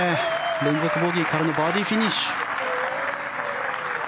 連続ボギーからのバーディーフィニッシュ。